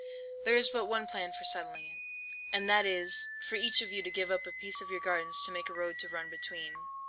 There is but one plan for settling it, and that is, for each of you to give up a piece of your gardens to make a road to run between.